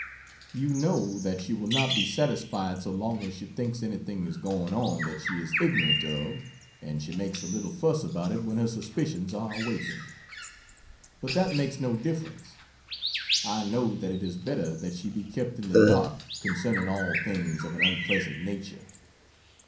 You know that she will not be satisfied so long as she thinks anything is going on that she is ignorant of and she makes a little fuss about it when her suspicions are awakened; but that makes no difference . I know that it is better that she be kept in the dark concerning all things of an unpleasant nature.